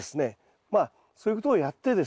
まあそういうことをやってですね